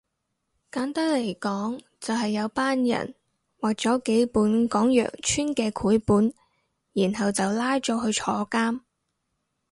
簡單嚟講就係有班人畫咗幾本講羊村嘅繪本然後就拉咗去坐監